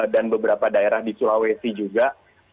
dan beberapa daerah di sulawesi juga